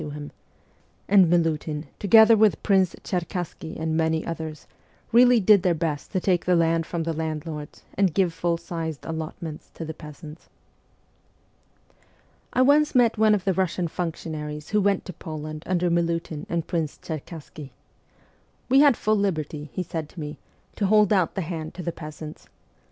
to him ; and Milutin, to gether with Prince Cherkassky and many others, really did their best to take the land from the landlords and give full sized allotments to the peasants. I once met one of the Russian functionaries who went to Poland under Milutin and Prince Cherkassky. ' We had full liberty,' he said to me, ' to hold out the hand to the peasants.